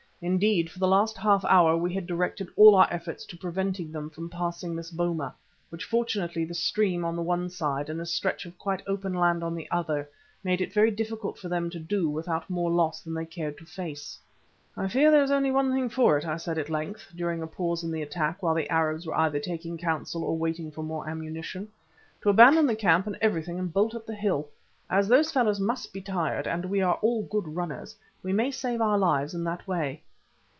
Indeed, for the last half hour we had directed all our efforts to preventing them from passing this boma, which, fortunately, the stream on the one side and a stretch of quite open land on the other made it very difficult for them to do without more loss than they cared to face. "I fear there is only one thing for it," I said at length, during a pause in the attack while the Arabs were either taking counsel or waiting for more ammunition, "to abandon the camp and everything and bolt up the hill. As those fellows must be tired and we are all good runners, we may save our lives in that way."